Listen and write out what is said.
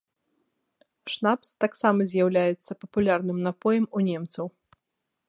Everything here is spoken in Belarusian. Шнапс таксама з'яўляецца папулярным напоем у немцаў.